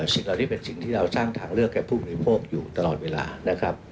สิ่งเหล่านี้เป็นสิ่งที่เราสร้างทางเลือกให้ผู้บริโภคอยู่ตลอดเวลานะครับ